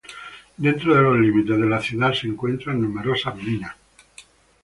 Dentro de los límites de la ciudad se encuentran numerosas minas.